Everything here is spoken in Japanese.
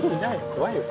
怖いよ。